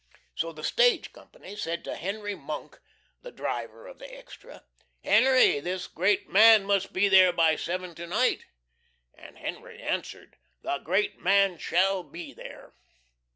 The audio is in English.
So the Stage Company said to Henry Monk, the driver of the extra: "Henry, this great man must be there by 7 to night." And Henry answered, "The great man shall be there."